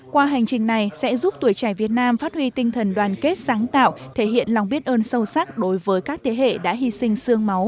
qua hành trình này sẽ giúp tuổi trẻ việt nam phát huy tinh thần đoàn kết sáng tạo thể hiện lòng biết ơn sâu sắc đối với các thế hệ đã hy sinh sương máu